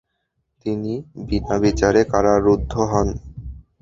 তিনি বিনাবিচারে কারারুদ্ধ হন।